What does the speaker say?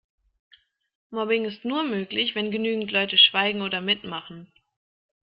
Mobbing ist nur möglich, wenn genügend Leute schweigen oder mitmachen.